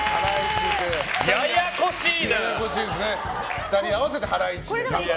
２人合わせてハライチ。